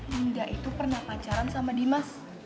hingga itu pernah pacaran sama dimas